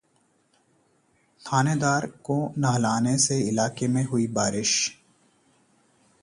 थानेदार को नहलाने से इलाके में हुई बारिश